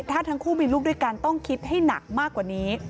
ถ้าทั้งคู่มีลูกด้วยกันต้องคิดให้หนักมากกว่านี้